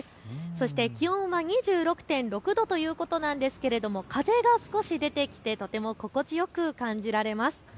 そして気温は２６度ということで風が少し出てきてとても心地よく感じられます。